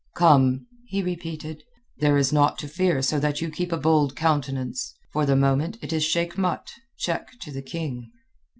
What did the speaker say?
"Come," he repeated, "there is naught to fear so that you keep a bold countenance. For the moment it is Sheik Mat—check to the king."